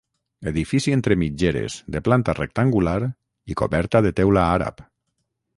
Edifici entre mitgeres, de planta rectangular i coberta de teula àrab.